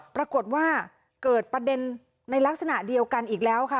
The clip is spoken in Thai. ปรากฏว่าเกิดประเด็นในลักษณะเดียวกันอีกแล้วค่ะ